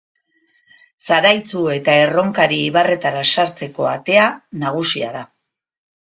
Zaraitzu eta Erronkari ibarretara sartzeko atea nagusia da.